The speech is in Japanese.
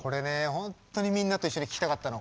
本当にみんなと一緒に聴きたかったの。